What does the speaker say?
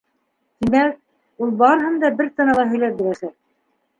- Тимәк, ул барыһын да бер тынала һөйләп бирәсәк.